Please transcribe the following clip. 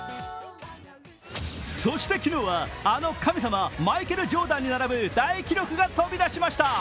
そして昨日はあの神様、マイケル・ジョーダンに並ぶ大記録が飛び出しました。